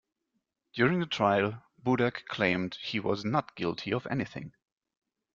During the trial, Budak claimed he was not guilty of anything.